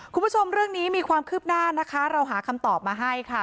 คุณผู้ชมเรื่องนี้มีความคืบหน้านะคะเราหาคำตอบมาให้ค่ะ